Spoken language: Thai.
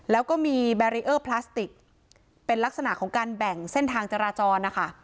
แล้วก็มีแบรีเออร์พลาสติกเป็นลักษณะของการแบ่งเส้นทางจราจรนะคะ